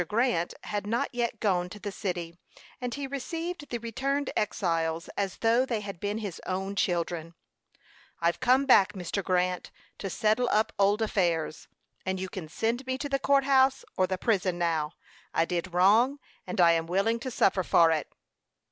Grant had not yet gone to the city, and he received the returned exiles as though they had been his own children. "I've come back, Mr. Grant, to settle up old affairs, and you can send me to the court house or the prison now. I did wrong, and I am willing to suffer for it."